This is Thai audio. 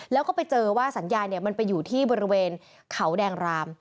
แล้วก็ไปเจอว่าสัญญาณมันไปอยู่ที่บริเวณเขาแดงราม